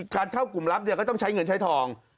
การเข้ากลุ่มลับก็ต้องใช้เงินใช้ทอง